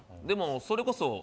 でもそれこそ。